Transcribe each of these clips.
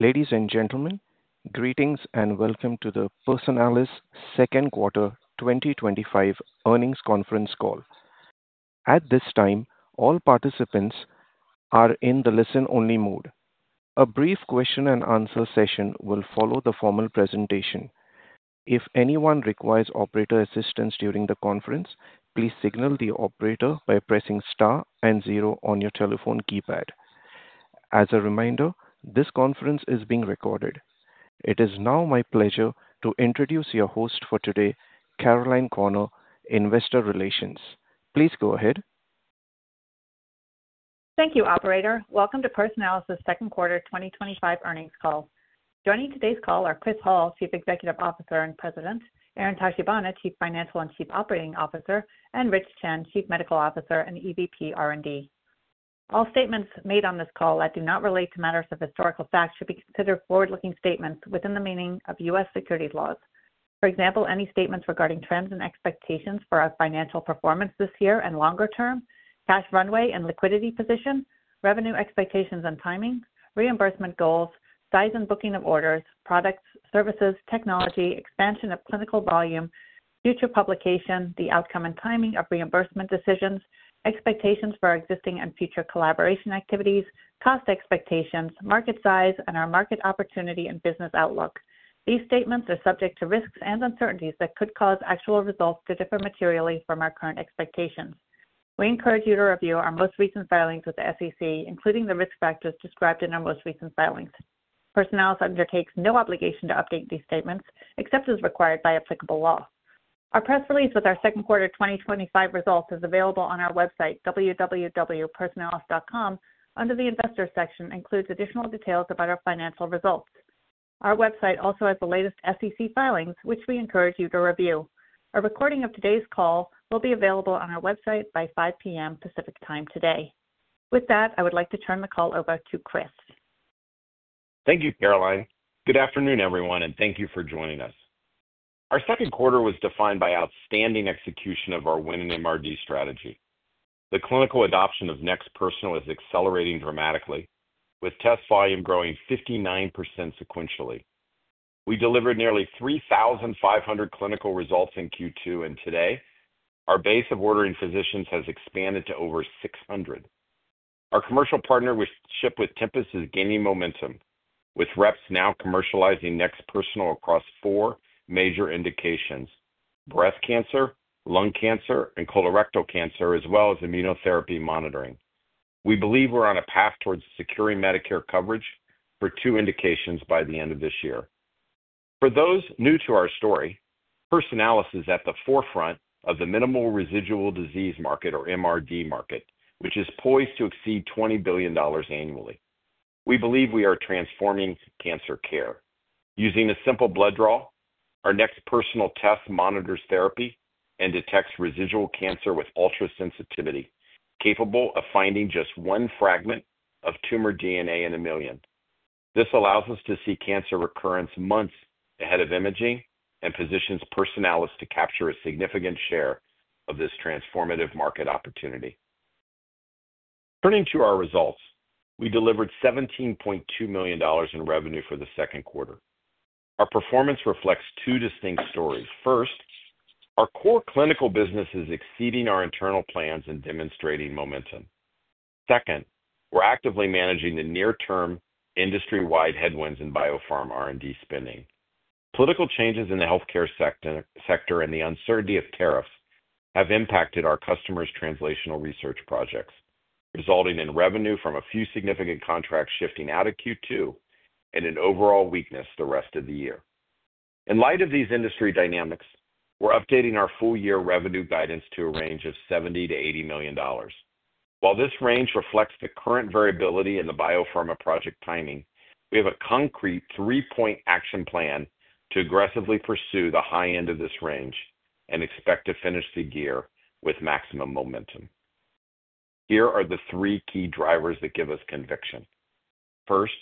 Ladies and gentlemen, greetings and welcome to the Personalis second quarter 2025 earnings conference call. At this time, all participants are in the listen-only mode. A brief question-and-answer session will follow the formal presentation. If anyone requires operator assistance during the conference, please signal the operator by pressing star and zero on your telephone keypad. As a reminder, this conference is being recorded. It is now my pleasure to introduce your host for today, Caroline Corner, Investor Relations. Please go ahead. Thank you, operator. Welcome to Personalis's second quarter 2025 earnings call. Joining today's call are Chris Hall, Chief Executive Officer and President, Aaron Tachibana, Chief Financial and Chief Operating Officer, and Rich Chen, Chief Medical Officer and EVP R&D. All statements made on this call that do not relate to matters of historical fact should be considered forward-looking statements within the meaning of U.S. securities laws. For example, any statements regarding trends and expectations for our financial performance this year and longer term, cash runway and liquidity position, revenue expectations and timing, reimbursement goals, size and booking of orders, products, services, technology, expansion of clinical volume, future publication, the outcome and timing of reimbursement decisions, expectations for our existing and future collaboration activities, cost expectations, market size, and our market opportunity and business outlook. These statements are subject to risks and uncertainties that could cause actual results to differ materially from our current expectations. We encourage you to review our most recent filings with the SEC, including the risk factors described in our most recent filings. Personalis undertakes no obligation to update these statements except as required by applicable law. Our press release with our second quarter 2025 results is available on our website, www.personalis.com, under the Investors section, and includes additional details about our financial results. Our website also has the latest SEC filings, which we encourage you to review. A recording of today's call will be available on our website by 5:00 P.M. Pacific Time today. With that, I would like to turn the call over to Chris. Thank you, Caroline. Good afternoon, everyone, and thank you for joining us. Our second quarter was defined by outstanding execution of our winning MRD strategy. The clinical adoption of NeXT Personal is accelerating dramatically, with test volume growing 59% sequentially. We delivered nearly 3,500 clinical results in Q2, and today, our base of ordering physicians has expanded to over 600. Our commercial partnership with Tempus is gaining momentum, with reps now commercializing NeXT Personal across four major indications: breast cancer, lung cancer, and colorectal cancer, as well as immunotherapy monitoring. We believe we're on a path towards securing Medicare coverage for two indications by the end of this year. For those new to our story, Personalis is at the forefront of the minimal residual disease market, or MRD market, which is poised to exceed $20 billion annually. We believe we are transforming cancer care. Using a simple blood draw, our NeXT Personal test monitors therapy and detects residual cancer with ultra-sensitivity, capable of finding just one fragment of tumor DNA in a million. This allows us to see cancer recurrence months ahead of imaging and positions Personalis to capture a significant share of this transformative market opportunity. Turning to our results, we delivered $17.2 million in revenue for the second quarter. Our performance reflects two distinct stories. First, our core clinical business is exceeding our internal plans and demonstrating momentum. Second, we're actively managing the near-term industry-wide headwinds in biopharma R&D spending. Political changes in the healthcare sector and the uncertainty of tariffs have impacted our customers' translational research projects, resulting in revenue from a few significant contracts shifting out of Q2 and in overall weakness the rest of the year. In light of these industry dynamics, we're updating our full-year revenue guidance to a range of $70 million-$80 million. While this range reflects the current variability in the biopharma project timing, we have a concrete three-point action plan to aggressively pursue the high end of this range and expect to finish the year with maximum momentum. Here are the three key drivers that give us conviction. First,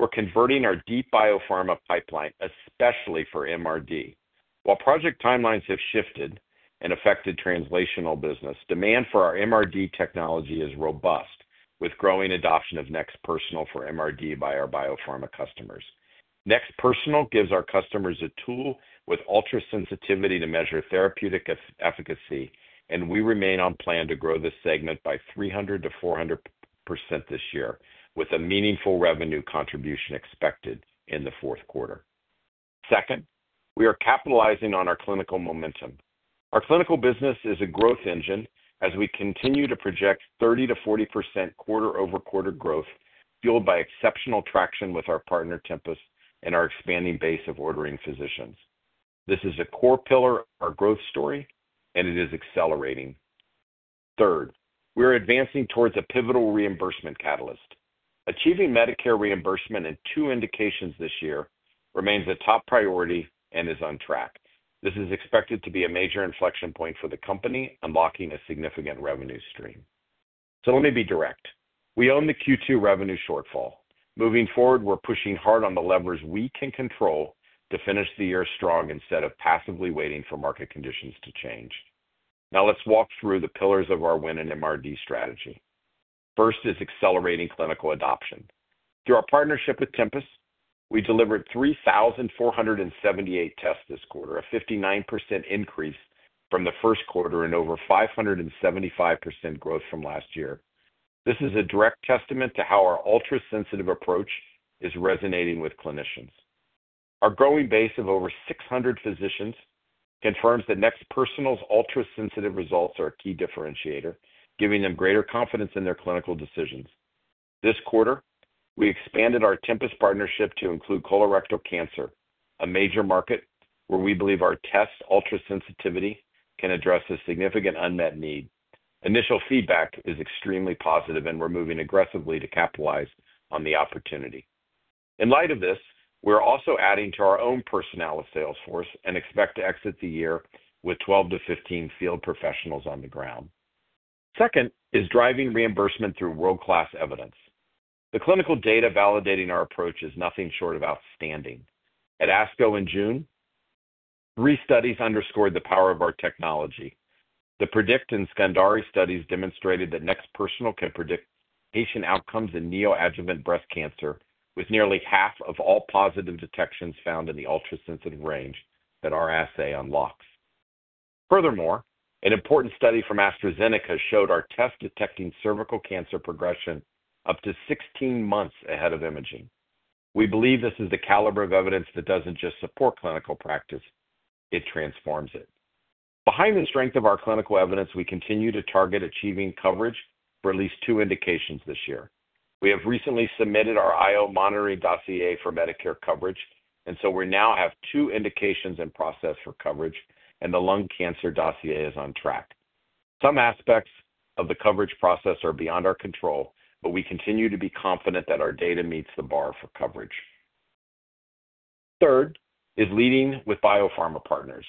we're converting our deep biopharma pipeline, especially for MRD. While project timelines have shifted and affected translational business, demand for our MRD technology is robust, with growing adoption of NeXT Personal for MRD by our biopharma customers. NeXT Personal gives our customers a tool with ultra-sensitivity to measure therapeutic efficacy, and we remain on plan to grow this segment by 300%-400% this year, with a meaningful revenue contribution expected in the fourth quarter. Second, we are capitalizing on our clinical momentum. Our clinical business is a growth engine as we continue to project 30%-40% quarter-over-quarter growth, fueled by exceptional traction with our partner Tempus and our expanding base of ordering physicians. This is a core pillar of our growth story, and it is accelerating. Third, we are advancing towards a pivotal reimbursement catalyst. Achieving Medicare reimbursement in two indications this year remains a top priority and is on track. This is expected to be a major inflection point for the company, unlocking a significant revenue stream. Let me be direct. We own the Q2 revenue shortfall. Moving forward, we're pushing hard on the levers we can control to finish the year strong instead of passively waiting for market conditions to change. Now let's walk through the pillars of our winning MRD strategy. First is accelerating clinical adoption. Through our partnership with Tempus, we delivered 3,478 tests this quarter, a 59% increase from the first quarter and over 575% growth from last year. This is a direct testament to how our ultra-sensitive approach is resonating with clinicians. Our growing base of over 600 physicians confirms that NeXT Personal's ultra-sensitive results are a key differentiator, giving them greater confidence in their clinical decisions. This quarter, we expanded our Tempus partnership to include colorectal cancer, a major market where we believe our test ultra-sensitivity can address a significant unmet need. Initial feedback is extremely positive, and we're moving aggressively to capitalize on the opportunity. In light of this, we're also adding to our own Personalis sales force and expect to exit the year with 12 to 15 field professionals on the ground. Second is driving reimbursement through world-class evidence. The clinical data validating our approach is nothing short of outstanding. At ASCO in June, three studies underscored the power of our technology. The PREDICT and SCANDARE studies demonstrated that NeXT Personal can predict patient outcomes in neoadjuvant breast cancer, with nearly half of all positive detections found in the ultra-sensitive range that our assay unlocks. Furthermore, an important study from AstraZeneca showed our test detecting cervical cancer progression up to 16 months ahead of imaging. We believe this is the caliber of evidence that doesn't just support clinical practice, it transforms it. Behind the strength of our clinical evidence, we continue to target achieving coverage for at least two indications this year. We have recently submitted our IO monitoring dossier for Medicare coverage, and we now have two indications in process for coverage, and the lung cancer dossier is on track. Some aspects of the coverage process are beyond our control, but we continue to be confident that our data meets the bar for coverage. Third is leading with biopharma partners.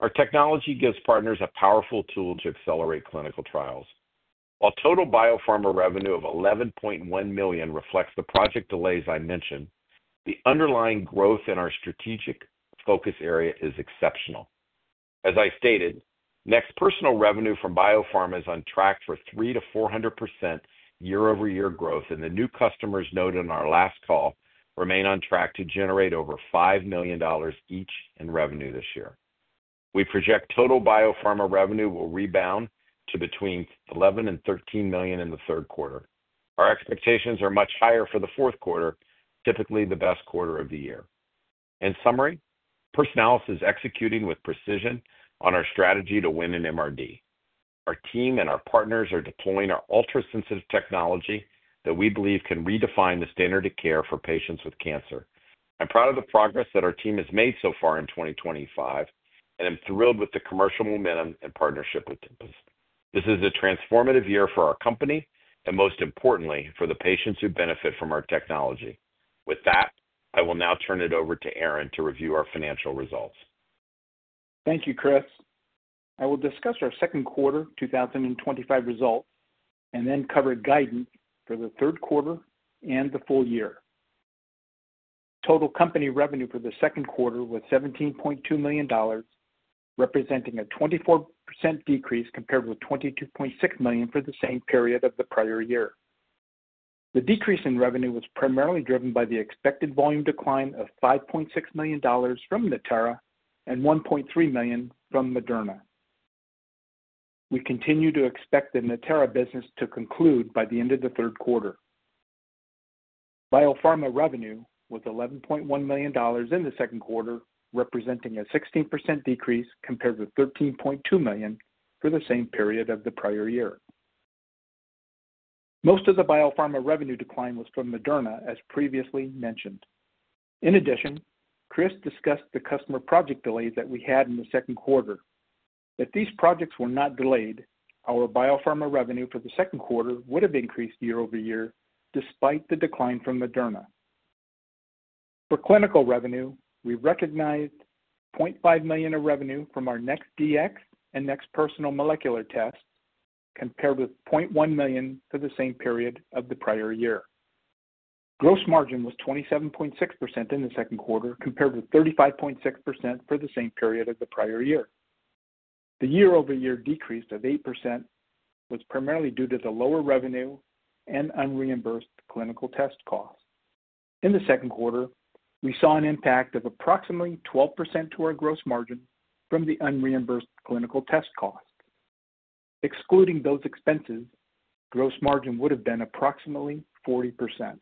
Our technology gives partners a powerful tool to accelerate clinical trials. While total biopharma revenue of $11.1 million reflects the project delays I mentioned, the underlying growth in our strategic focus area is exceptional. As I stated, NeXT Personal revenue from biopharma is on track for 300%-400% year-over-year growth, and the new customers noted in our last call remain on track to generate over $5 million each in revenue this year. We project total biopharma revenue will rebound to between $11 million and $13 million in the third quarter. Our expectations are much higher for the fourth quarter, typically the best quarter of the year. In summary, Personalis is executing with precision on our strategy to win in MRD. Our team and our partners are deploying our ultra-sensitive technology that we believe can redefine the standard of care for patients with cancer. I'm proud of the progress that our team has made so far in 2025, and I'm thrilled with the commercial momentum and partnership with Tempus. This is a transformative year for our company, and most importantly, for the patients who benefit from our technology. With that, I will now turn it over to Aaron to review our financial results. Thank you, Chris. I will discuss our second quarter 2025 results and then cover guidance for the third quarter and the full year. Total company revenue for the second quarter was $17.2 million, representing a 24% decrease compared with $22.6 million for the same period of the prior year. The decrease in revenue was primarily driven by the expected volume decline of $5.6 million from Natera and $1.3 million from Moderna. We continue to expect the Natera business to conclude by the end of the third quarter. Biopharma revenue was $11.1 million in the second quarter, representing a 16% decrease compared with $13.2 million for the same period of the prior year. Most of the biopharma revenue decline was from Moderna, as previously mentioned. In addition, Chris discussed the customer project delay that we had in the second quarter. If these projects were not delayed, our biopharma revenue for the second quarter would have increased year-over-year despite the decline from Moderna. For clinical revenue, we recognized $0.5 million of revenue from our NeXT Dx and NeXT Personal molecular test compared with $0.1 million for the same period of the prior year. Gross margin was 27.6% in the second quarter compared with 35.6% for the same period of the prior year. The year-over-year decrease of 8% was primarily due to the lower revenue and unreimbursed clinical test costs. In the second quarter, we saw an impact of approximately 12% to our gross margin from the unreimbursed clinical test costs. Excluding those expenses, gross margin would have been approximately 40%.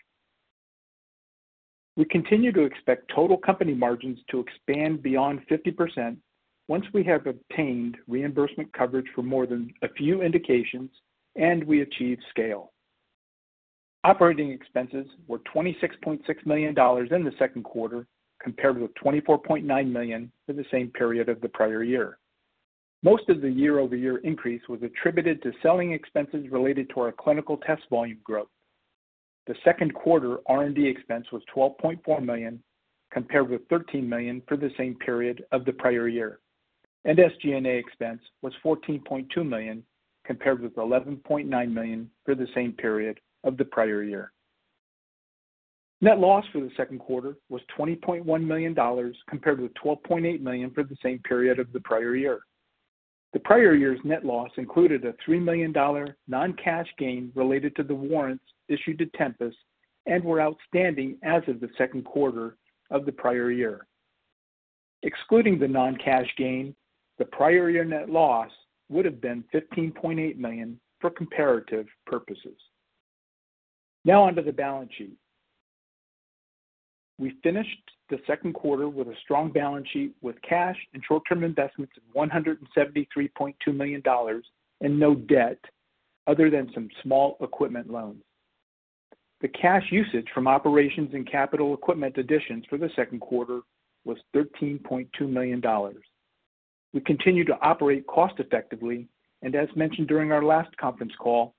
We continue to expect total company margins to expand beyond 50% once we have obtained reimbursement coverage for more than a few indications and we achieve scale. Operating expenses were $26.6 million in the second quarter compared with $24.9 million for the same period of the prior year. Most of the year-over-year increase was attributed to selling expenses related to our clinical test volume growth. The second quarter R&D expense was $12.4 million compared with $13 million for the same period of the prior year, and SG&A expense was $14.2 million compared with $11.9 million for the same period of the prior year. Net loss for the second quarter was $20.1 million compared with $12.8 million for the same period of the prior year. The prior year's net loss included a $3 million non-cash gain related to the warrants issued to Tempus and were outstanding as of the second quarter of the prior year. Excluding the non-cash gain, the prior year net loss would have been $15.8 million for comparative purposes. Now onto the balance sheet. We finished the second quarter with a strong balance sheet with cash and short-term investments of $173.2 million and no debt other than some small equipment loans. The cash usage from operations and capital equipment additions for the second quarter was $13.2 million. We continue to operate cost-effectively, and as mentioned during our last conference call,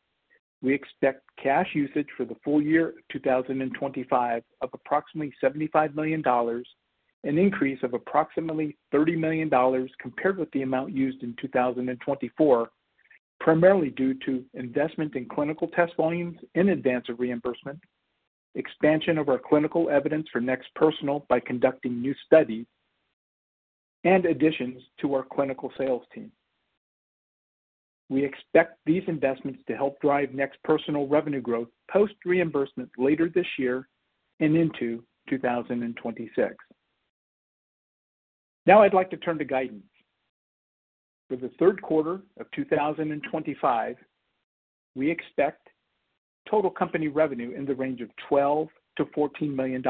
we expect cash usage for the full year of 2025 of approximately $75 million, an increase of approximately $30 million compared with the amount used in 2024, primarily due to investment in clinical test volumes in advance of reimbursement, expansion of our clinical evidence for NeXT Personal by conducting new studies, and additions to our clinical sales team. We expect these investments to help drive NeXT Personal revenue growth post-reimbursement later this year and into 2026. Now I'd like to turn to guidance. For the third quarter of 2025, we expect total company revenue in the range of $12 million-$14 million,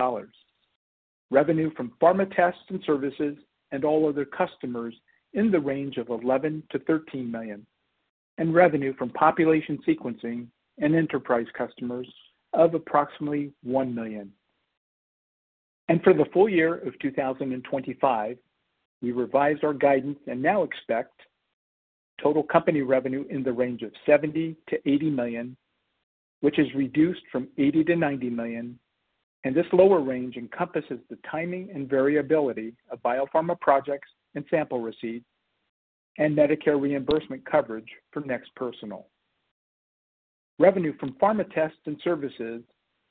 revenue from pharma tests and services and all other customers in the range of $11 million-$13 million, and revenue from population sequencing and enterprise customers of approximately $1 million. For the full year of 2025, we revised our guidance and now expect total company revenue in the range of $70 million-$80 million, which is reduced from $80 million-$90 million, and this lower range encompasses the timing and variability of biopharma projects and sample receipts and Medicare reimbursement coverage for NeXT Personal. Revenue from pharma tests and services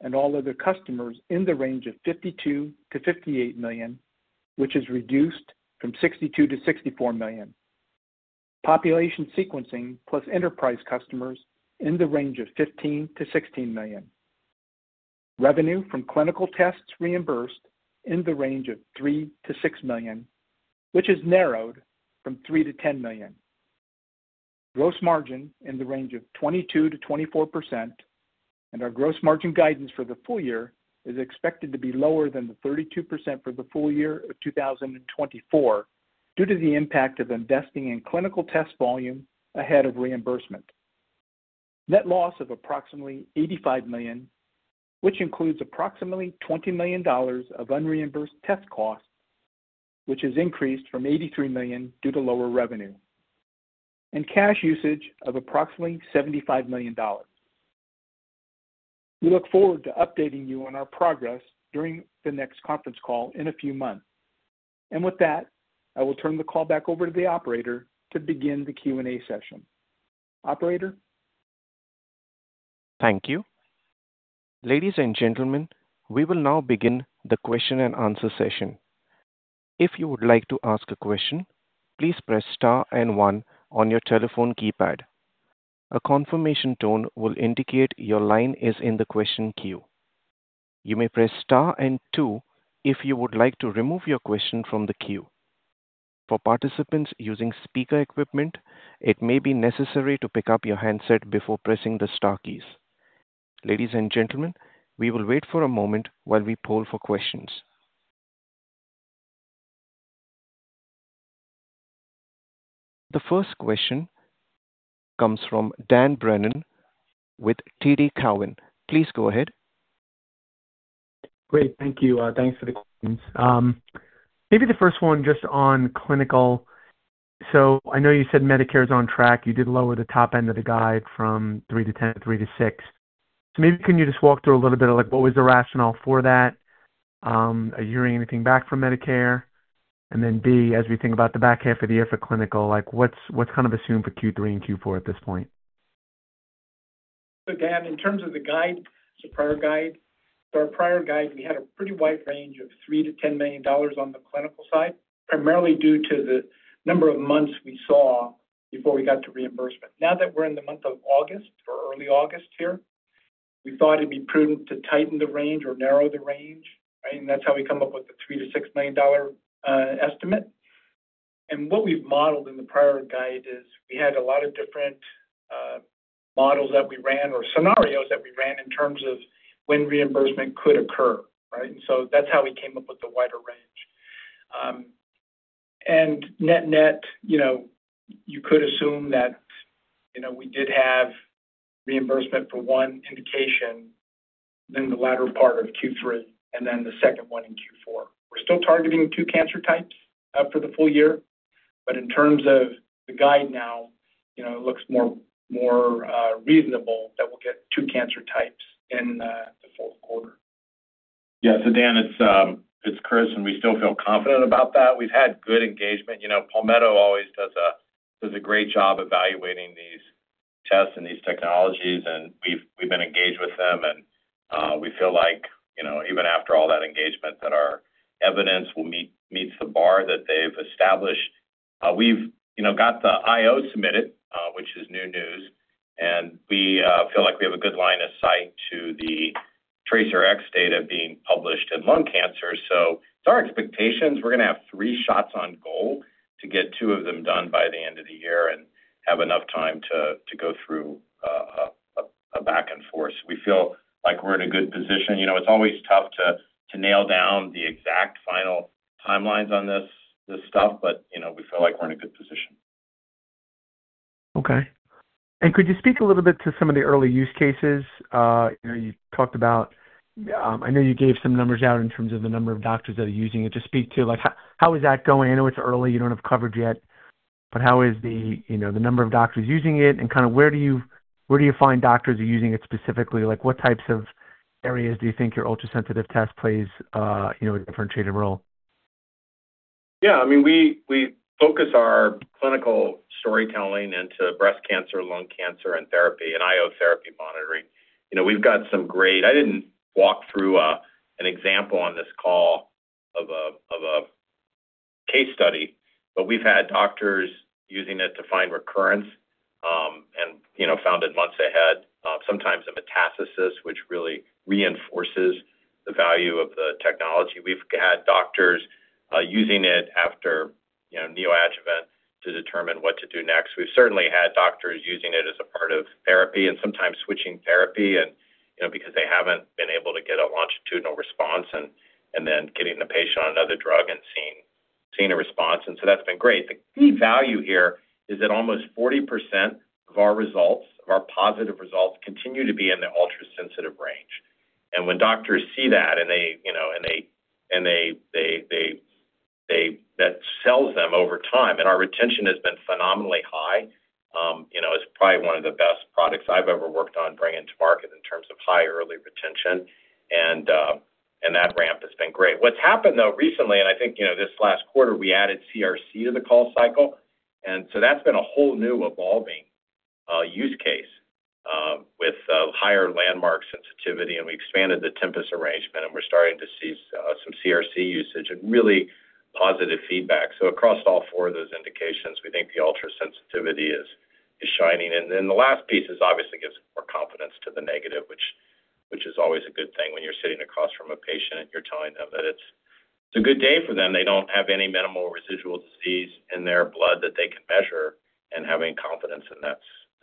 and all other customers in the range of $52 million-$58 million, which is reduced from $62 million-$64 million. Population sequencing plus enterprise customers in the range of $15 million-$16 million. Revenue from clinical tests reimbursed in the range of $3 million-$6 million, which is narrowed from $3 million-$10 million. Gross margin in the range of 22%-24%, and our gross margin guidance for the full year is expected to be lower than the 32% for the full year of 2024 due to the impact of investing in clinical test volume ahead of reimbursement. Net loss of approximately $85 million, which includes approximately $20 million of unreimbursed test costs, which is increased from $83 million due to lower revenue, and cash usage of approximately $75 million. We look forward to updating you on our progress during the next conference call in a few months. With that, I will turn the call back over to the operator to begin the Q&A session. Operator? Thank you. Ladies and gentlemen, we will now begin the question-and-answer session. If you would like to ask a question, please press star and one on your telephone keypad. A confirmation tone will indicate your line is in the question queue. You may press star and two if you would like to remove your question from the queue. For participants using speaker equipment, it may be necessary to pick up your handset before pressing the star keys. Ladies and gentlemen, we will wait for a moment while we poll for questions. The first question comes from Daniel Brennan with Cowen. Please go ahead. Great, thank you. Thanks for the questions. Maybe the first one just on clinical. I know you said Medicare is on track. You did lower the top end of the guide from three to 10, three to six. Can you just walk through a little bit of what was the rationale for that? Are you hearing anything back from Medicare? As we think about the back half of the year for clinical, what's kind of assumed for Q3 and Q4 at this point? Dan, in terms of the guide, the prior guide, for our prior guide, we had a pretty wide range of $3 million-$10 million on the clinical side, primarily due to the number of months we saw before we got to reimbursement. Now that we're in the month of August, for early August here, we thought it'd be prudent to tighten the range or narrow the range. That's how we come up with the $3 million-$6 million estimate. What we've modeled in the prior guide is we had a lot of different models that we ran or scenarios that we ran in terms of when reimbursement could occur. That's how we came up with the wider range. Net-net, you could assume that we did have reimbursement for one indication in the latter part of Q3 and then the second one in Q4. We're still targeting two cancer types for the full year, but in terms of the guide now, it looks more reasonable that we'll get two cancer types in the full quarter. Yeah, so Dan, it's Chris, and we still feel confident about that. We've had good engagement. Palmetto always does a great job evaluating these tests and these technologies, and we've been engaged with them. We feel like, even after all that engagement, that our evidence meets the bar that they've established. We've got the IO submitted, which is new news, and we feel like we have a good line of sight to the TracerX data being published in lung cancer. It's our expectations we're going to have three shots on goal to get two of them done by the end of the year and have enough time to go through a back and forth. We feel like we're in a good position. It's always tough to nail down the exact final timelines on this stuff, but we feel like we're in a good position. Okay. Could you speak a little bit to some of the early use cases? You talked about, I know you gave some numbers out in terms of the number of doctors that are using it. Could you speak to how that is going? I know it's early, you don't have coverage yet, but how is the number of doctors using it and kind of where do you find doctors are using it specifically? What types of areas do you think your ultra-sensitive test plays a differentiating role? Yeah, I mean, we focus our clinical storytelling into breast cancer, lung cancer, and therapy and IO therapy monitoring. We've got some great, I didn't walk through an example on this call of a case study, but we've had doctors using it to find recurrence and found it months ahead, sometimes a metastasis, which really reinforces the value of the technology. We've had doctors using it after neoadjuvant to determine what to do next. We've certainly had doctors using it as a part of therapy and sometimes switching therapy because they haven't been able to get a longitudinal response and then getting the patient on another drug and seeing a response. That's been great. The key value here is that almost 40% of our positive results continue to be in the ultra-sensitive range. When doctors see that, that sells them over time. Our retention has been phenomenally high. It's probably one of the best products I've ever worked on bringing to market in terms of high early retention, and that ramp has been great. What's happened though recently, and I think this last quarter, we added CRC to the call cycle. That's been a whole new evolving use case, with higher landmark sensitivity. We expanded the Tempus arrangement, and we're starting to see some CRC usage and really positive feedback. Across all four of those indications, we think the ultra-sensitivity is shining. The last piece is it obviously gives more confidence to the negative, which is always a good thing when you're sitting across from a patient and you're telling them that it's a good day for them. They don't have any minimal residual disease in their blood that they can measure and have any confidence in, and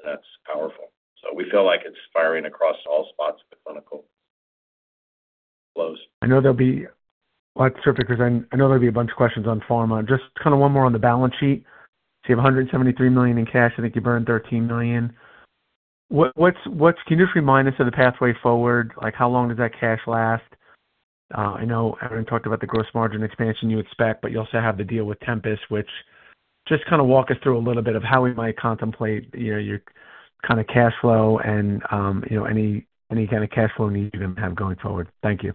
that's powerful. We feel like it's spiraling across all spots of the clinical. I know there'll be a lot to surface because I know there'll be a bunch of questions on pharma. Just kind of one more on the balance sheet. You have $173 million in cash. I think you burned $13 million. Can you just remind us of the pathway forward? Like how long does that cash last? I know Aaron Tachibana talked about the gross margin expansion you expect, but you also have to deal with Tempus. Just walk us through a little bit of how we might contemplate your kind of cash flow and any kind of cash flow need you have going forward. Thank you.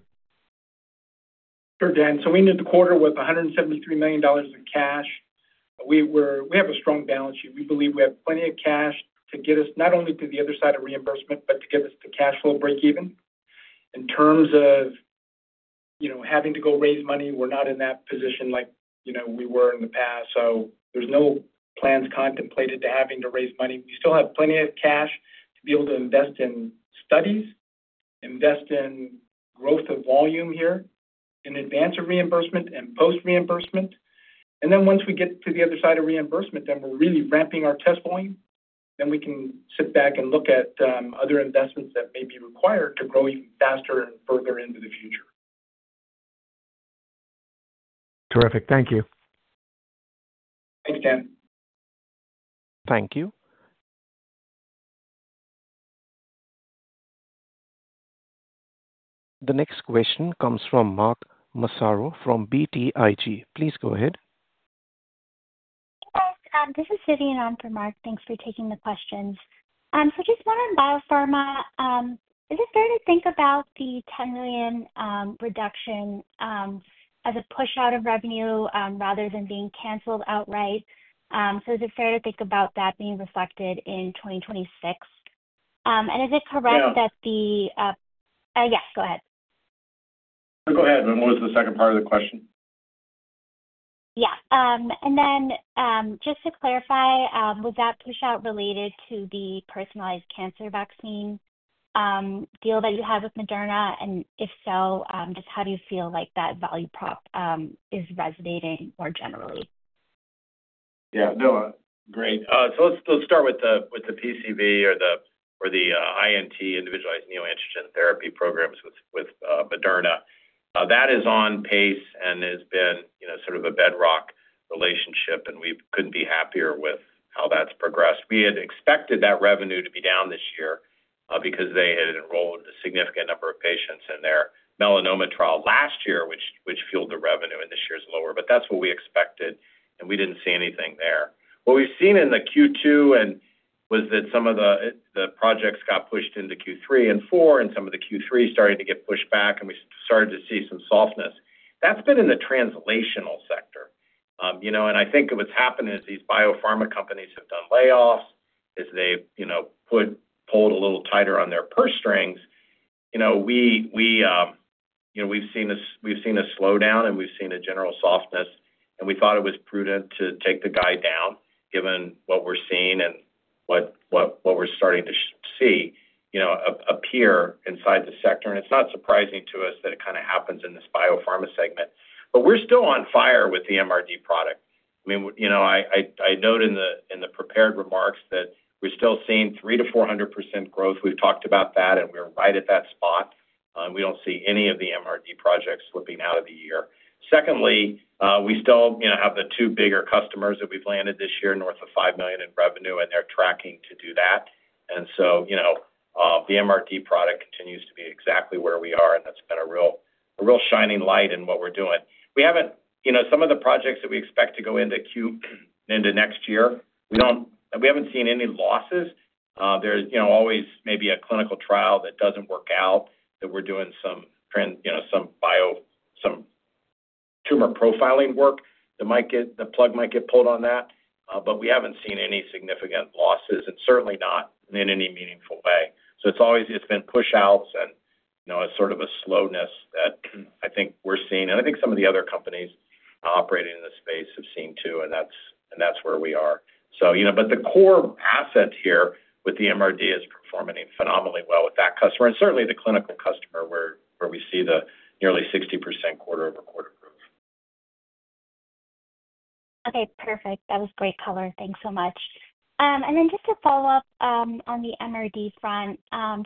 Sure, Dan. We ended the quarter with $173 million in cash. We have a strong balance sheet. We believe we have plenty of cash to get us not only to the other side of reimbursement, but to get us to cash flow breakeven. In terms of having to go raise money, we're not in that position like we were in the past. There's no plans contemplated to having to raise money. We still have plenty of cash to be able to invest in studies, invest in growth of volume here in advance of reimbursement and post-reimbursement. Once we get to the other side of reimbursement, we're really ramping our test volume. We can sit back and look at other investments that may be required to grow even faster and further into the future. Terrific. Thank you. Thank you. The next question comes from Mark Massaro from BTIG. Please go ahead. Hi. This is Vidyun on for Mark. Thanks for taking the questions. Just more on biopharma, is it fair to think about the $10 million reduction as a push-out of revenue rather than being canceled outright? Is it fair to think about that being reflected in 2026? Is it correct that the—yeah, go ahead. Go ahead. What was the second part of the question? Yeah. Just to clarify, was that push-out related to the personalized cancer vaccine deal that you have with Moderna? If so, how do you feel like that value prop is resonating more generally? Yeah. No, great. Let's start with the PCV or the INT, individualized neoantigen therapy programs with Moderna. That is on pace and has been, you know, sort of a bedrock relationship, and we couldn't be happier with how that's progressed. We had expected that revenue to be down this year because they had enrolled a significant number of patients in their melanoma trial last year, which fueled the revenue, and this year's lower. That's what we expected, and we didn't see anything there. What we've seen in Q2 was that some of the projects got pushed into Q3 and Q4, and some of Q3 started to get pushed back, and we started to see some softness. That's been in the translational sector. I think what's happened is these biopharma companies have done layoffs, as they've pulled a little tighter on their purse strings. We've seen a slowdown and we've seen a general softness, and we thought it was prudent to take the guide down given what we're seeing and what we're starting to see appear inside the sector. It's not surprising to us that it kind of happens in this biopharma segment. We're still on fire with the MRD product. I note in the prepared remarks that we're still seeing 300%-400% growth. We've talked about that, and we're right at that spot. We don't see any of the MRD projects slipping out of the year. Secondly, we still have the two bigger customers that we've landed this year north of $5 million in revenue, and they're tracking to do that. The MRD product continues to be exactly where we are, and that's been a real shining light in what we're doing. Some of the projects that we expect to go into Q and into next year, we haven't seen any losses. There's always maybe a clinical trial that doesn't work out, that we're doing some tumor profiling work that might get the plug pulled on that. We haven't seen any significant losses. It's certainly not in any meaningful way. It's always been push-outs and a sort of a slowness that I think we're seeing. I think some of the other companies operating in this space have seen too, and that's where we are. The core asset here with the MRD is performing phenomenally well with that customer, and certainly the clinical customer where we see the nearly 60% quarter-over-quarter growth. Okay, perfect. That was great color. Thanks so much. Just to follow up on the MRD front,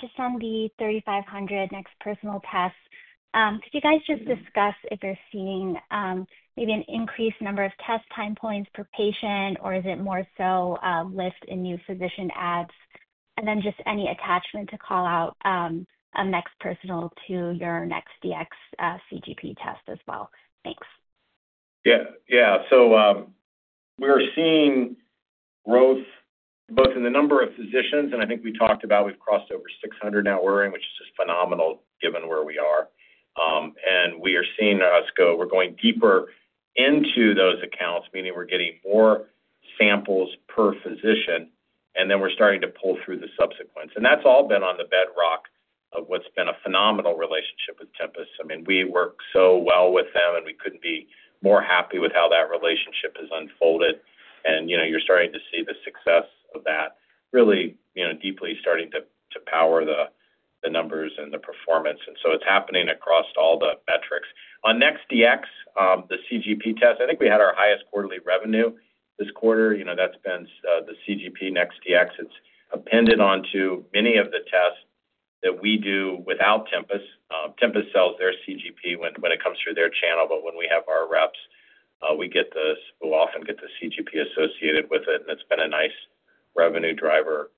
just on the 3,500 NeXT Personal tests, could you guys just discuss if you're seeing maybe an increased number of test time points per patient, or is it more so lift in new physician adds? Just any attachment to call out a NeXT Personal to your NeXT Dx CGP test as well. Thanks. Yeah, yeah. We're seeing growth both in the number of physicians, and I think we talked about we've crossed over 600 now, which is just phenomenal given where we are. We are seeing us go deeper into those accounts, meaning we're getting more samples per physician, and we're starting to pull through the subsequents. That's all been on the bedrock of what's been a phenomenal relationship with Tempus. We work so well with them, and we couldn't be more happy with how that relationship has unfolded. You're starting to see the success of that really deeply starting to power the numbers and the performance. It's happening across all the metrics. On NeXT Dx, the CGP test, I think we had our highest quarterly revenue this quarter. That's been the CGP NeXT Dx. It's appended onto many of the tests that we do without Tempus. Tempus sells their CGP when it comes through their channel, but when we have our reps, we get this, we'll often get the CGP associated with it, and it's been a nice revenue driver,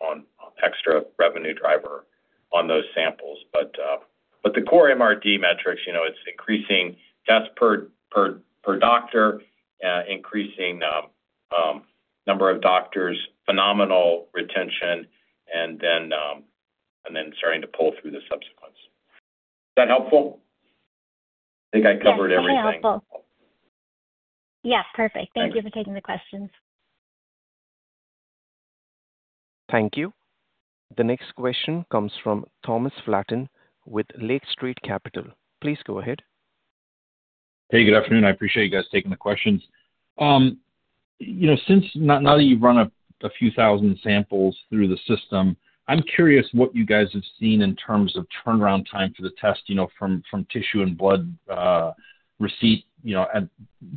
an extra revenue driver on those samples. The core MRD metrics, it's increasing tests per doctor, increasing number of doctors, phenomenal retention, and then starting to pull through the subsequents. Is that helpful? I think I covered everything. Yes, perfect. Thank you for taking the questions. Thank you. The next question comes from Thomas Flaten with Lake Street Capital. Please go ahead. Hey, good afternoon. I appreciate you guys taking the questions. Since now that you've run a few thousand samples through the system, I'm curious what you guys have seen in terms of turnaround time for the test, from tissue and blood receipt, and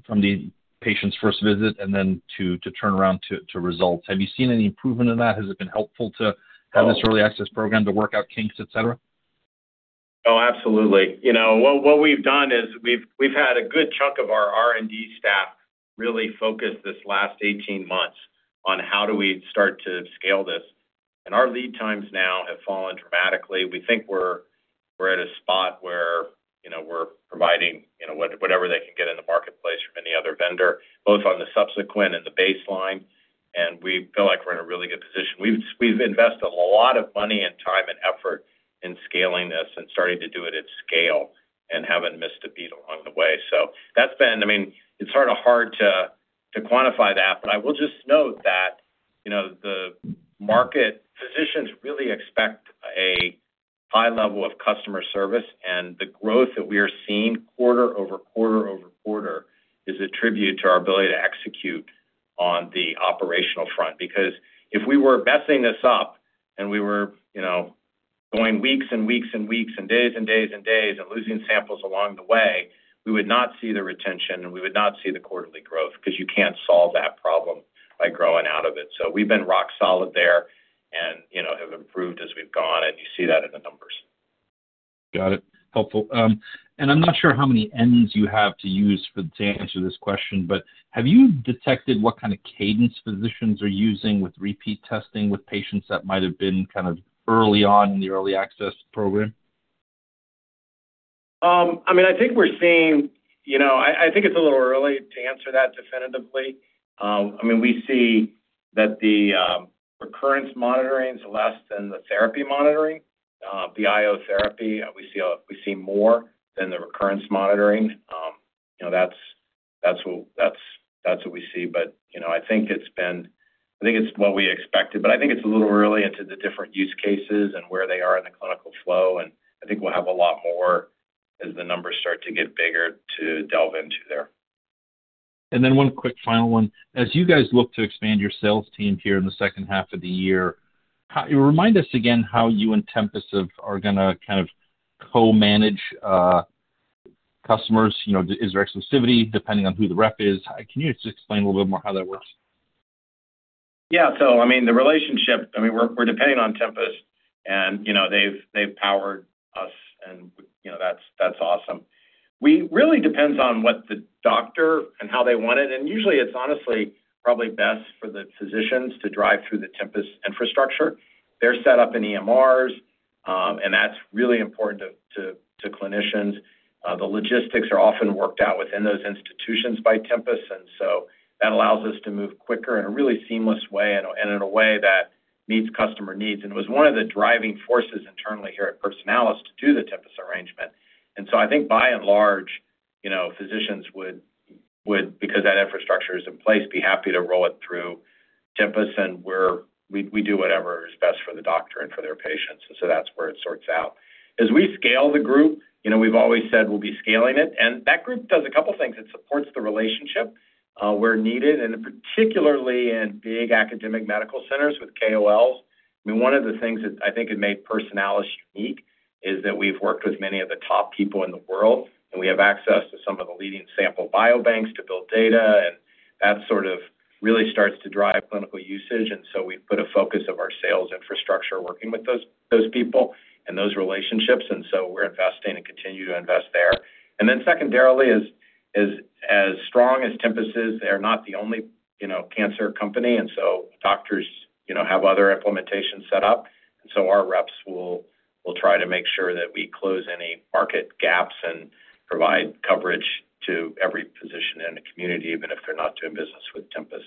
from the patient's first visit to turnaround to results. Have you seen any improvement in that? Has it been helpful to have this early access program to work out kinks, etc.? Oh, absolutely. What we've done is we've had a good chunk of our R&D staff really focus this last 18 months on how do we start to scale this. Our lead times now have fallen dramatically. We think we're at a spot where we're providing whatever they can get in the marketplace from any other vendor, both on the subsequent and the baseline. We feel like we're in a really good position. We've invested a lot of money and time and effort in scaling this and starting to do it at scale and haven't missed a beat along the way. It's sort of hard to quantify that, but I will just note that the market physicians really expect a high level of customer service, and the growth that we are seeing quarter-over-quarter is a tribute to our ability to execute on the operational front. If we were messing this up and we were going weeks and weeks and weeks and days and days and days and losing samples along the way, we would not see the retention and we would not see the quarterly growth because you can't solve that problem by growing out of it. We've been rock solid there and have improved as we've gone, and you see that in the numbers. Got it. Helpful. I'm not sure how many ends you have to use to answer this question, but have you detected what kind of cadence physicians are using with repeat testing with patients that might have been kind of early on in the early access program? I think we're seeing, you know, I think it's a little early to answer that definitively. We see that the recurrence monitoring is less than the therapy monitoring. The IO therapy, we see more than the recurrence monitoring. That's what we see. I think it's what we expected, but I think it's a little early into the different use cases and where they are in the clinical flow. I think we'll have a lot more as the numbers start to get bigger to delve into there. One quick final one. As you guys look to expand your sales team here in the second half of the year, can you remind us again how you and Tempus are going to kind of co-manage customers? Is there exclusivity depending on who the rep is? Can you just explain a little bit more how that works? Yeah. The relationship, I mean, we're depending on Tempus, and they've powered us, and that's awesome. It really depends on what the doctor wants and how they want it. Usually, it's honestly probably best for the physicians to drive through the Tempus infrastructure. They're set up in EMRs, and that's really important to clinicians. The logistics are often worked out within those institutions by Tempus. That allows us to move quicker in a really seamless way and in a way that meets customer needs. It was one of the driving forces internally here at Personalis to do the Tempus arrangement. I think by and large, physicians would, because that infrastructure is in place, be happy to roll it through Tempus, and we do whatever is best for the doctor and for their patients. That's where it sorts out. As we scale the group, we've always said we'll be scaling it. That group does a couple of things. It supports the relationship where needed, particularly in big academic medical centers with KOLs. One of the things that I think made Personalis unique is that we've worked with many of the top people in the world, and we have access to some of the leading sample biobanks to build data, and that really starts to drive clinical usage. We've put a focus of our sales infrastructure working with those people and those relationships. We're investing and continue to invest there. Secondarily, as strong as Tempus is, they're not the only cancer company. Doctors have other implementations set up. Our reps will try to make sure that we close any market gaps and provide coverage to every physician in the community, even if they're not doing business with Tempus.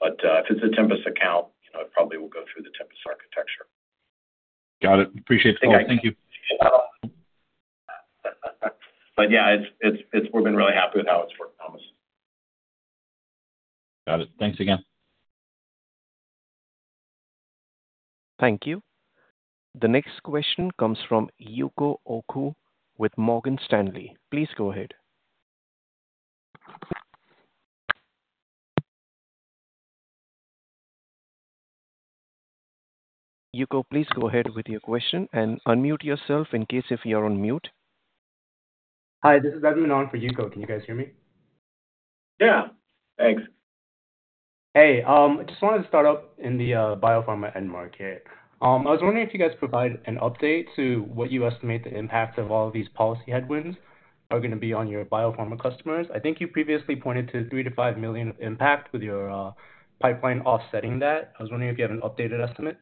If it's a Tempus account, it probably will go through the Tempus architecture. Got it. Appreciate the call. Thank you. Yeah, we've been really happy with how it's worked, Thomas. Got it. Thanks again. Thank you. The next question comes from Yuko Oku with Morgan Stanley. Please go ahead. Yuko, please go ahead with your question and unmute yourself in case you're on mute. Hi, this is Evan on for Yuko. Can you guys hear me? Yeah. Thanks. Hey, I just wanted to start up in the biopharma end market. I was wondering if you guys provide an update to what you estimate the impact of all of these policy headwinds are going to be on your biopharma customers. I think you previously pointed to $3 million-$5 million impact with your pipeline offsetting that. I was wondering if you have an updated estimate.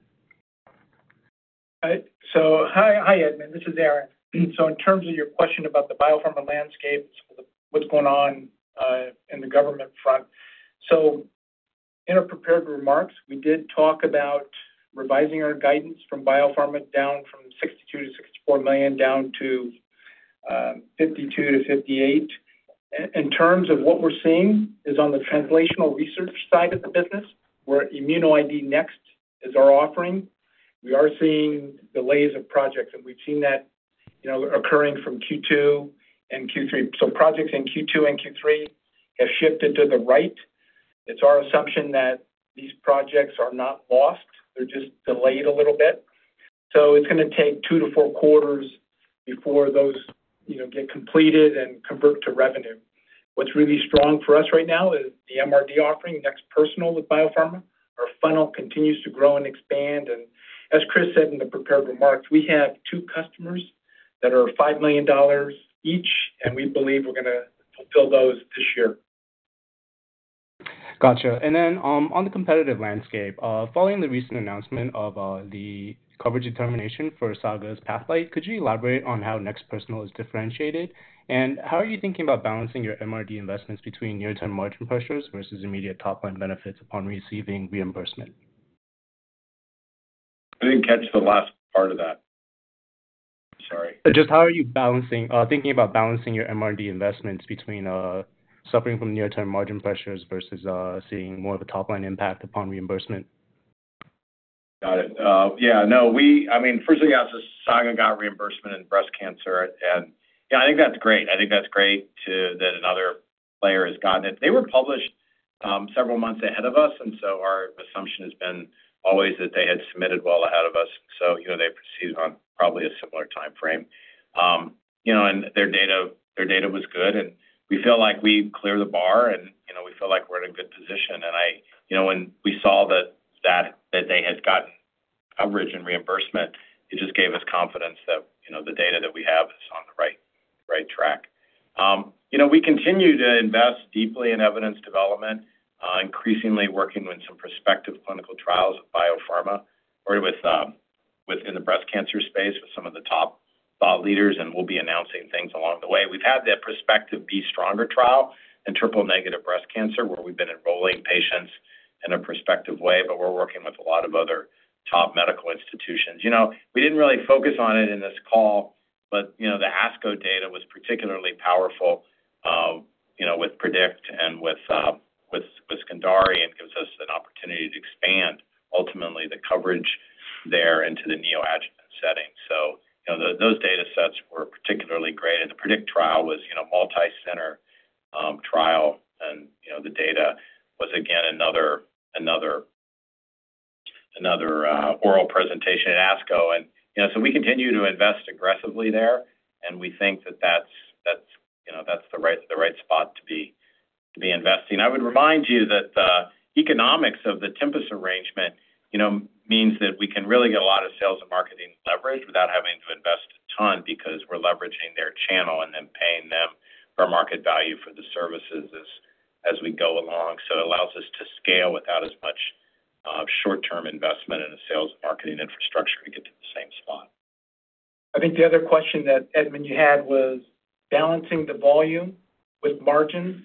Hi, Evan. This is Aaron. In terms of your question about the biopharma landscape, what's going on on the government front, in our prepared remarks, we did talk about revising our guidance from biopharma down from $62 million-$64 million down to $52 million-$58 million. In terms of what we're seeing on the translational research side of the business, where ImmunoID NeXT is our offering, we are seeing delays of projects, and we've seen that occurring from Q2 and Q3. Some projects in Q2 and Q3 have shifted to the right. It's our assumption that these projects are not lost, they're just delayed a little bit. It's going to take two to four quarters before those get completed and convert to revenue. What's really strong for us right now is the MRD offering, NeXT Personal with biopharma. Our funnel continues to grow and expand. As Chris said in the prepared remarks, we have two customers that are $5 million each, and we believe we're going to fulfill those this year. Gotcha. On the competitive landscape, following the recent announcement of the coverage determination for Saga's Pathlight, could you elaborate on how NeXT Personal is differentiated? How are you thinking about balancing your MRD investments between near-term margin pressures versus immediate top-line benefits upon receiving reimbursement? I didn't catch the last part of that. Just how are you thinking about balancing your MRD investments between suffering from near-term margin pressures versus seeing more of a top-line impact upon reimbursement? Got it. Yeah, no, we, I mean, firstly, as Saga got reimbursement in breast cancer, I think that's great. I think that's great that another player has gotten it. They were published several months ahead of us, and our assumption has been always that they had submitted well ahead of us. They proceeded on probably a similar timeframe. Their data was good, and we feel like we cleared the bar, and we feel like we're in a good position. When we saw that they had gotten coverage and reimbursement, it just gave us confidence that the data that we have is on the right track. We continue to invest deeply in evidence development, increasingly working with some prospective clinical trials of biopharma, or within the breast cancer space with some of the top thought leaders, and we'll be announcing things along the way. We've had that prospective B-Stronger trial in triple negative breast cancer where we've been enrolling patients in a prospective way, but we're working with a lot of other top medical institutions. We didn't really focus on it in this call, but the ASCO data was particularly powerful, with PREDICT and with SCANDARE, and it gives us an opportunity to expand ultimately the coverage there into the neoadjuvant setting. Those data sets were particularly great, and the PREDICT trial was a multi-center trial, and the data was again another oral presentation at ASCO. We continue to invest aggressively there, and we think that that's the right spot to be investing. I would remind you that the economics of the Tempus arrangement means that we can really get a lot of sales and marketing leverage without having to invest a ton because we're leveraging their channel and then paying them for market value for the services as we go along. It allows us to scale without as much short-term investment in a sales and marketing infrastructure to get to the same spot. I think the other question that Evan, you had was balancing the volume with margins.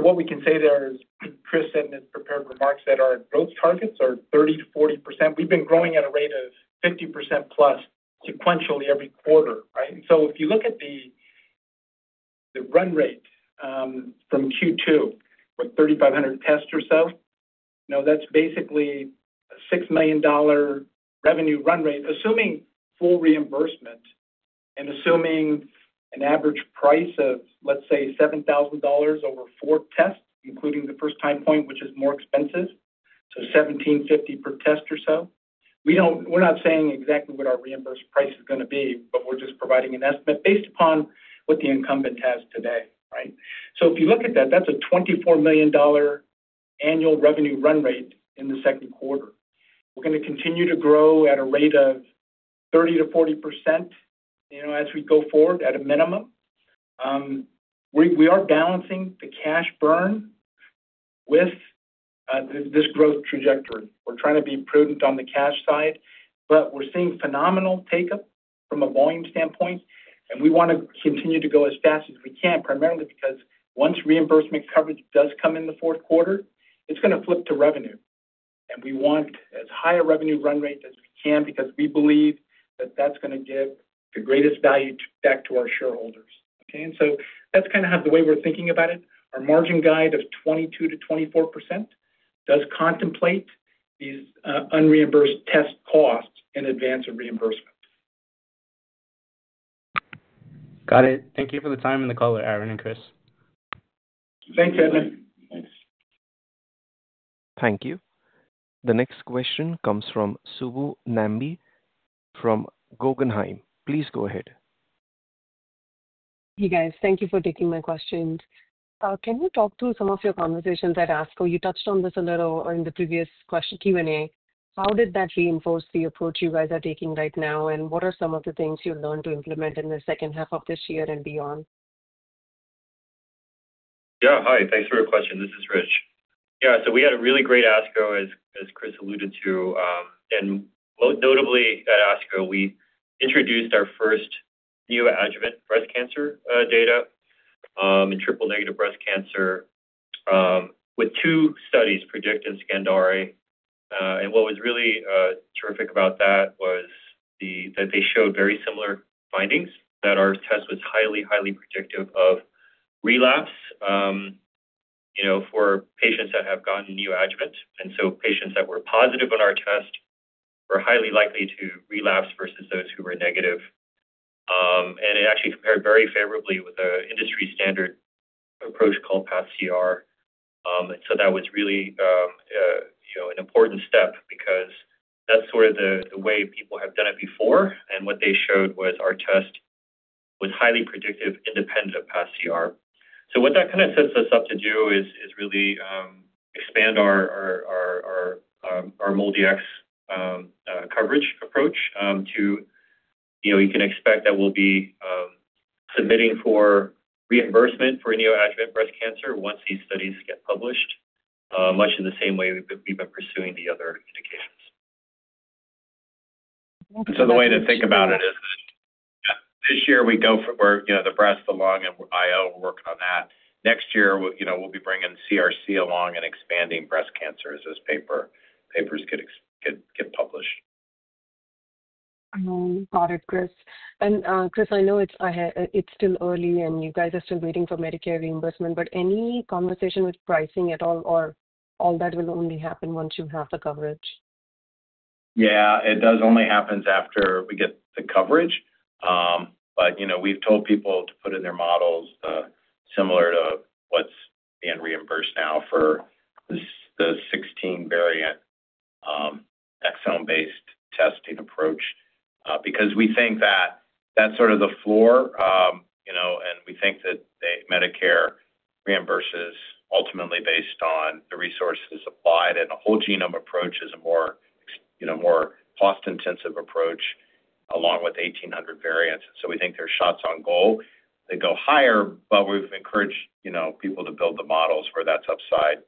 What we can say there is Chris said in his prepared remarks that our growth targets are 30%-40%. We've been growing at a rate of 50%+ sequentially every quarter, right? If you look at the run rate from Q2 with 3,500 tests or so, that's basically a $6 million revenue run rate assuming full reimbursement and assuming an average price of, let's say, $7,000 over four tests, including the first time point, which is more expensive. So $1,750 per test or so. We're not saying exactly what our reimbursement price is going to be, but we're just providing an estimate based upon what the incumbent has today, right? If you look at that, that's a $24 million annual revenue run rate in the second quarter. We're going to continue to grow at a rate of 30%-40% as we go forward at a minimum. We are balancing the cash burn with this growth trajectory. We're trying to be prudent on the cash side, but we're seeing phenomenal takeup from a volume standpoint. We want to continue to go as fast as we can, primarily because once reimbursement coverage does come in the fourth quarter, it's going to flip to revenue. We want as high a revenue run rate as we can because we believe that that's going to give the greatest value back to our shareholders. That's kind of the way we're thinking about it. Our margin guide of 22%-24% does contemplate these unreimbursed test costs in advance of reimbursement. Got it. Thank you for the time and the call, Aaron and Chris. Thanks, Evan. Thank you. The next question comes from Subbu Nambi from Guggenheim. Please go ahead. Hey, guys. Thank you for taking my questions. Can you talk through some of your conversations at ASCO? You touched on this a little in the previous question Q&A. How did that reinforce the approach you guys are taking right now, and what are some of the things you've learned to implement in the second half of this year and beyond? Yeah. Hi. Thanks for your question. This is Rich. Yeah. We had a really great ASCO, as Chris alluded to. Notably at ASCO, we introduced our first neoadjuvant breast cancer data in triple negative breast cancer with two studies, PREDICT and SCANDARE. What was really terrific about that was that they showed very similar findings, that our test was highly, highly predictive of relapse for patients that have gotten neoadjuvant. Patients that were positive on our test were highly likely to relapse versus those who were negative. It actually compared very favorably with the industry standard approach called pCR. That was really an important step because that's sort of the way people have done it before. What they showed was our test was highly predictive, independent of pCR. What that kind of sets us up to do is really expand our MOLDx coverage approach. You can expect that we'll be submitting for reimbursement for neoadjuvant breast cancer once these studies get published, much in the same way we've been pursuing the other indications. The way to think about it is that, yeah, this year we go for the breast, the lung, and IO, we're working on that. Next year, we'll be bringing CRC along and expanding breast cancer as those papers get published. Got it, Chris. I know it's ahead, it's still early, and you guys are still waiting for Medicare reimbursement. Any conversation with pricing at all, or all that will only happen once you have the coverage? Yeah, it does only happen after we get the coverage. We've told people to put in their models similar to what's being reimbursed now for the 16 variant exome-based testing approach because we think that that's sort of the floor, you know, and we think that Medicare reimburses ultimately based on the resources supplied. The whole genome approach is a more, you know, more cost-intensive approach along with 1,800 variants. We think there are shots on goal that go higher, but we've encouraged people to build the models where that's upside.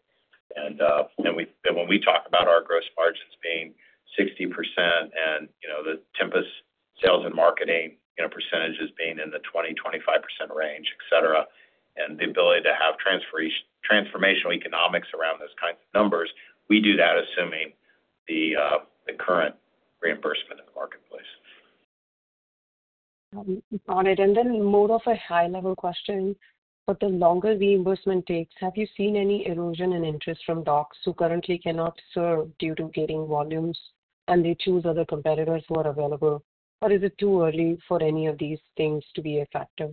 When we talk about our gross margins being 60% and the Tempus sales and marketing percentages being in the 20%-25% range, etc., and the ability to have transformational economics around those kinds of numbers, we do that assuming the current reimbursement in the marketplace. Got it. For the longer reimbursement takes, have you seen any erosion in interest from docs who currently cannot serve due to getting volumes and they choose other competitors who are available, or is it too early for any of these things to be a factor?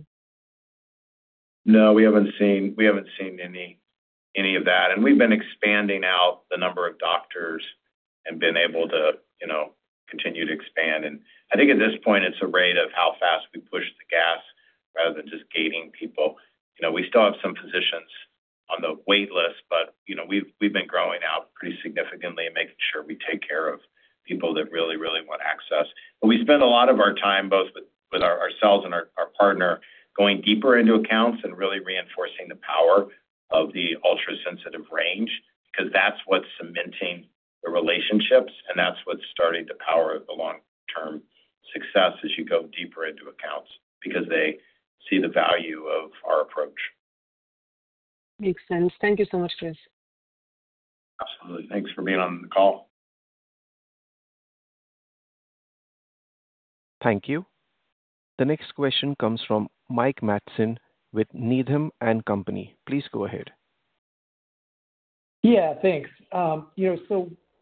No, we haven't seen any of that. We've been expanding out the number of doctors and been able to continue to expand. I think at this point, it's a rate of how fast we push the gas rather than just gating people. We still have some physicians on the waitlist, but we've been growing out pretty significantly and making sure we take care of people that really, really want access. We spend a lot of our time both with ourselves and our partner going deeper into accounts and really reinforcing the power of the ultra-sensitive range because that's what's cementing the relationships and that's what's starting to power the long-term success as you go deeper into accounts because they see the value of our approach. Makes sense. Thank you so much, Chris. Absolutely. Thanks for being on the call. Thank you. The next question comes from Mike Matson with Needham & Company. Please go ahead. Yeah, thanks. I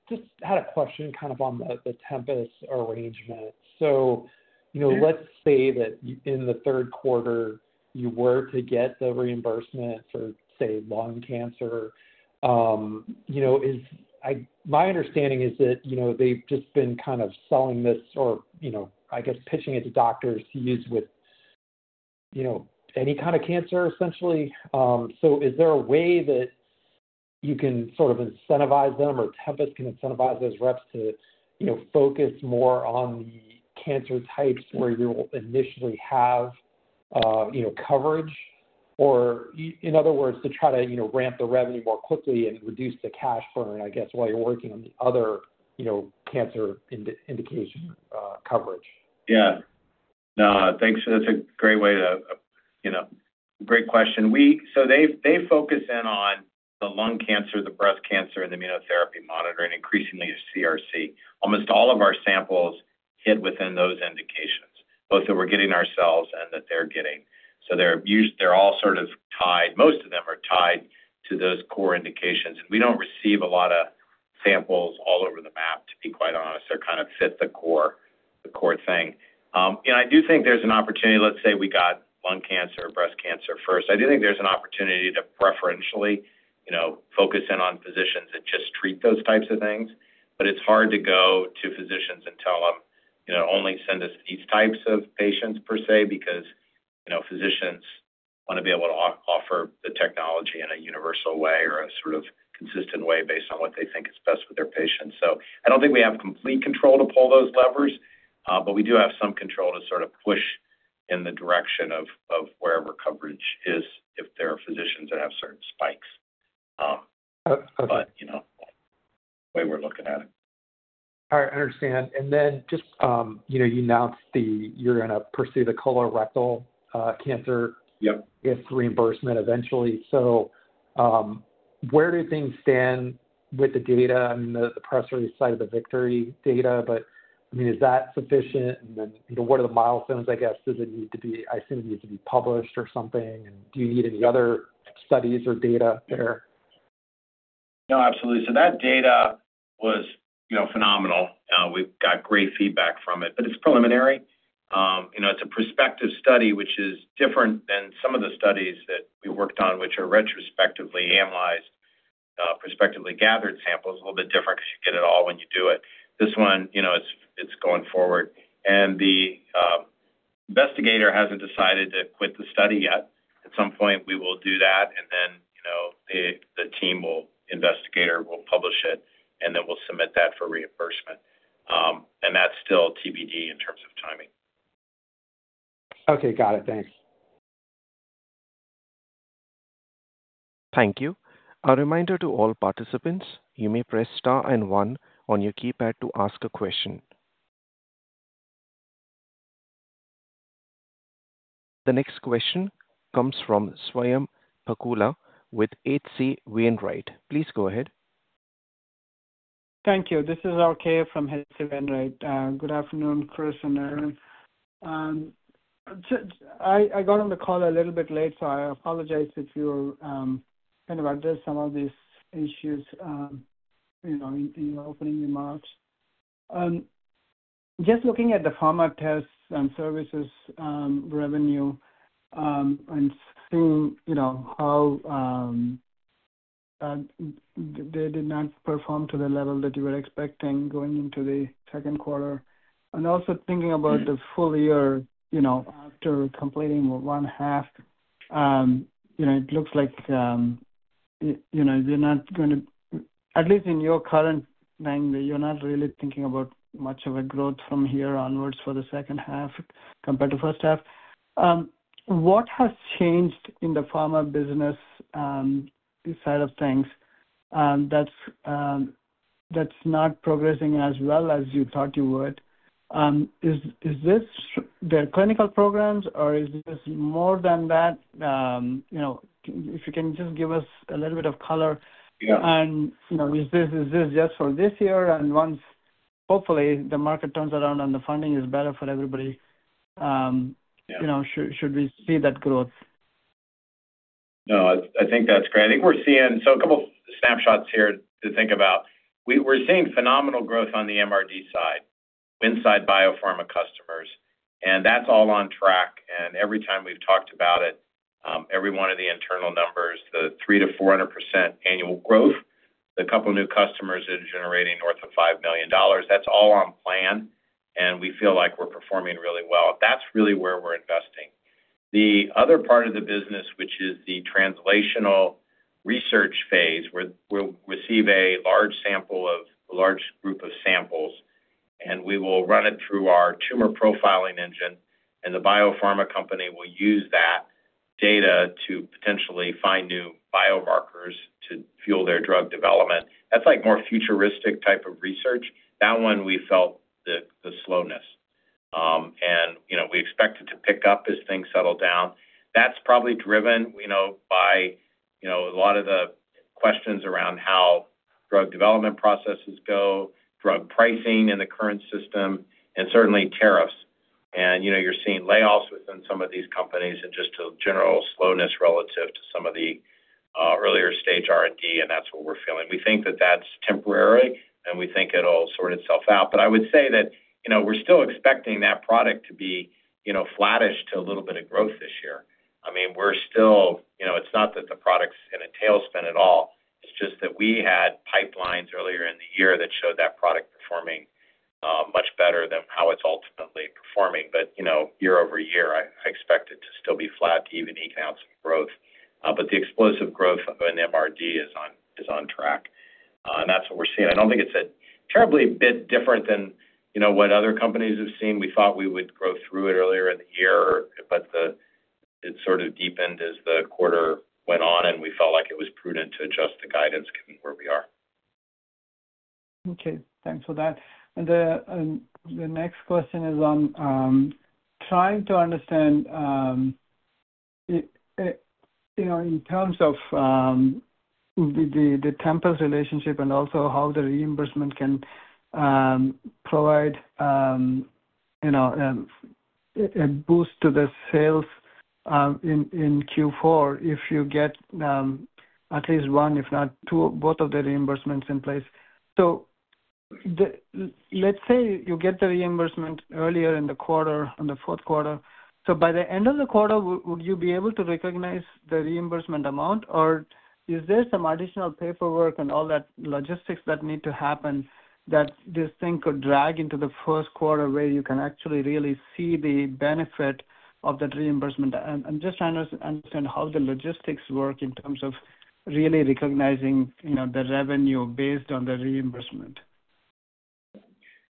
just had a question on the Tempus arrangement. Let's say that in the third quarter, you were to get the reimbursement for, say, lung cancer. My understanding is that they've just been selling this or pitching it to doctors to use with any kind of cancer, essentially. Is there a way that you can incentivize them or Tempus can incentivize those reps to focus more on the cancer types where you will initially have coverage, or, in other words, to try to ramp the revenue more quickly and reduce the cash burn while you're working on the other cancer indication coverage? Yeah. No, thanks. That's a great way to, you know, great question. They focus in on the lung cancer, the breast cancer, and the immunotherapy monitoring, increasingly CRC. Almost all of our samples hit within those indications, both that we're getting ourselves and that they're getting. They're usually, they're all sort of tied, most of them are tied to those core indications. We don't receive a lot of samples all over the map, to be quite honest. They kind of fit the core, the core thing. I do think there's an opportunity, let's say we got lung cancer or breast cancer first. I do think there's an opportunity to preferentially, you know, focus in on physicians that just treat those types of things. It's hard to go to physicians and tell them, you know, only send us these types of patients per se because, you know, physicians want to be able to offer the technology in a universal way or a sort of consistent way based on what they think is best for their patients. I don't think we have complete control to pull those levers, but we do have some control to sort of push in the direction of wherever coverage is if there are physicians that have certain spikes. The way we're looking at it. I understand. You announced that you're going to pursue the colorectal cancer reimbursement eventually. Where do things stand with the data? The press release cited the victory data, but is that sufficient? What are the milestones, I guess? Does it need to be, I assume it needs to be published or something? Do you need any other studies or data there? No, absolutely. That data was phenomenal. We've got great feedback from it, but it's preliminary. It's a prospective study, which is different than some of the studies that we worked on, which are retrospectively analyzed, prospectively gathered samples. It's a little bit different because you get it all when you do it. This one, it's going forward. The investigator hasn't decided to quit the study yet. At some point, we will do that. The team will, the investigator will publish it, and then we'll submit that for reimbursement. That's still TBD in terms of timing. Okay. Got it. Thanks. Thank you. A reminder to all participants, you may press star and one on your keypad to ask a question. The next question comes from Swayampakula Ramakanth with H.C. Wainwright. Please go ahead. Thank you. This is RK from H.C. Wainwright. Good afternoon, Chris and Aaron. I got on the call a little bit late, so I apologize if you addressed some of these issues in opening your mouth. Just looking at the pharma tests and services revenue and seeing how they did not perform to the level that you were expecting going into the second quarter. Also thinking about the full year, after completing one half, it looks like you're not going to, at least in your current language, you're not really thinking about much of a growth from here onwards for the second half compared to the first half. What has changed in the pharma business, this side of things that's not progressing as well as you thought you would? Is this their clinical programs, or is this more than that? If you can just give us a little bit of color. Is this just for this year? Once, hopefully, the market turns around and the funding is better for everybody, should we see that growth? No, I think that's great. I think we're seeing, so a couple of snapshots here to think about. We're seeing phenomenal growth on the MRD side inside biopharma customers. That's all on track. Every time we've talked about it, every one of the internal numbers, the 300%-400% annual growth, the couple of new customers that are generating north of $5 million, that's all on plan. We feel like we're performing really well. That's really where we're investing. The other part of the business, which is the translational research phase, where we'll receive a large group of samples, and we will run it through our tumor profiling engine, and the biopharma company will use that data to potentially find new biomarkers to fuel their drug development. That's more futuristic type of research. That one, we felt the slowness. We expect it to pick up as things settle down. That's probably driven by a lot of the questions around how drug development processes go, drug pricing in the current system, and certainly tariffs. You're seeing layoffs within some of these companies and just a general slowness relative to some of the earlier stage R&D, and that's what we're feeling. We think that that's temporary, and we think it'll sort itself out. I would say that we're still expecting that product to be flattish to a little bit of growth this year. We're still, it's not that the product's in a tailspin at all. It's just that we had pipelines earlier in the year that showed that product performing much better than how it's ultimately performing. year-over-year, I expect it to still be flat, even 8.5% growth. The explosive growth in MRD is on track. That's what we're seeing. I don't think it's a terribly bit different than what other companies have seen. We thought we would grow through it earlier in the year, but it sort of deepened as the quarter went on, and we felt like it was prudent to adjust the guidance given where we are. Okay. Thanks for that. The next question is on trying to understand, you know, in terms of the Tempus relationship and also how the reimbursement can provide, you know, a boost to the sales in Q4 if you get at least one, if not two, both of the reimbursements in place. Let's say you get the reimbursement earlier in the quarter, in the fourth quarter. By the end of the quarter, would you be able to recognize the reimbursement amount, or is there some additional paperwork and all that logistics that need to happen that this thing could drag into the first quarter where you can actually really see the benefit of that reimbursement? I'm just trying to understand how the logistics work in terms of really recognizing, you know, the revenue based on the reimbursement.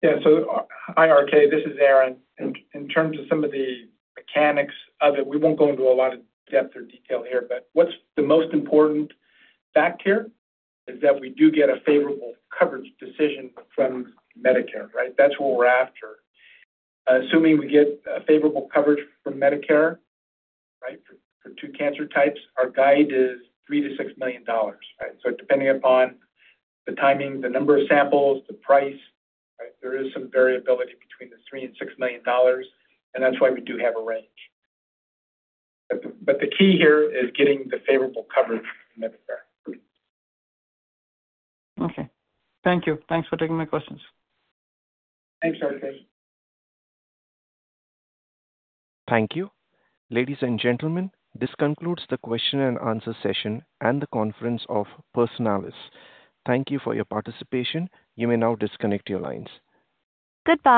Yeah. This is Aaron. In terms of some of the mechanics of it, we won't go into a lot of depth or detail here, but what's the most important fact here is that we do get a favorable coverage decision from Medicare, right? That's what we're after. Assuming we get a favorable coverage from Medicare, right, for two cancer types, our guide is $3 million-$6 million, right? Depending upon the timing, the number of samples, the price, right, there is some variability between the $3 million and $6 million, and that's why we do have a range. The key here is getting the favorable coverage. Okay. Thank you. Thanks for taking my questions. Thank you. Ladies and gentlemen, this concludes the question-and-answer session and the conference of Personalis. Thank you for your participation. You may now disconnect your lines. Goodbye.